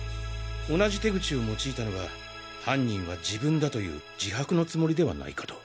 同じ手口を用いたのは犯人は自分だという自白のつもりではないかと。